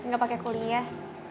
gak pake kuliah